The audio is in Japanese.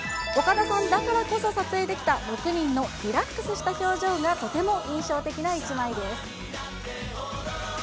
岡田さんだからこそ撮影できた６人のリラックスした表情が、とても印象的な１枚です。